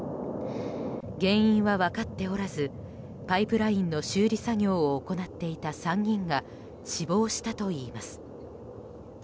原因は分かっておらずパイプラインの修理作業を行っていた３人が死亡したといいます。